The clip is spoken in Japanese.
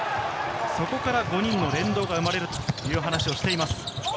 そこから５人の連動が生まれるという話をしています。